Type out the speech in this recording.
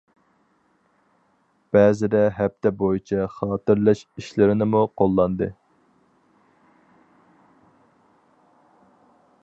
بەزىدە ھەپتە بويىچە خاتىرىلەش ئىشلىرىنىمۇ قوللاندى.